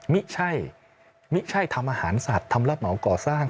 ไม่ใช่มิใช่ทำอาหารสัตว์ทำรับเหมาก่อสร้าง